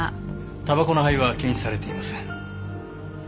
たばこの灰は検出されていません。